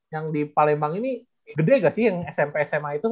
yang di palembang ini gede gak sih yang smp sma itu